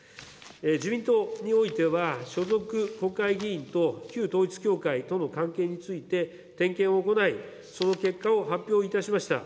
自民党においては、所属国会議員と旧統一教会との関係について、点検を行い、その結果を発表いたしました。